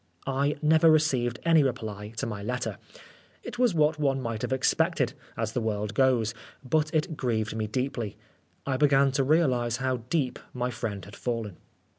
I never received any reply to my letter. It was what one might have expected, as the world goes, but it grieved me deeply. I began to realise how deep my friend had fallen.